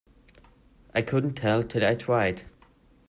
I couldn't tell till I tried.